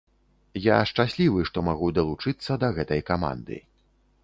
Я шчаслівы, што магу далучыцца да гэтай каманды.